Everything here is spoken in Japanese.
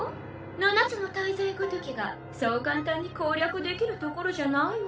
七つの大罪ごときがそう簡単に攻略できる所じゃないわ。